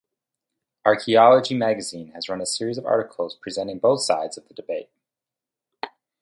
"Archaeology" magazine has run a series of articles presenting both sides of the debate.